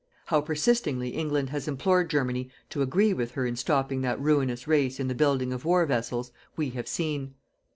How persistingly England has implored Germany to agree with her in stopping that ruinous race in the building of war vessels, we have seen.